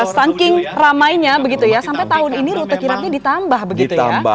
saking ramainya begitu ya sampai tahun ini rute kirapnya ditambah begitu ya